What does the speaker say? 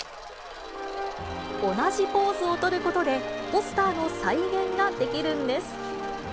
同じポーズを取ることで、ポスターの再現ができるんです。